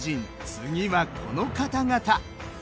次はこの方々。